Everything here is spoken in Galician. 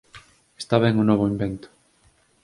Está ben o novo invento.